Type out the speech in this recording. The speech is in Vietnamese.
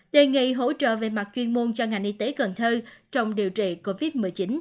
đề nghị hỗ trợ về mặt chuyên môn cho ngành y tế cần thơ trong điều trị covid một mươi chín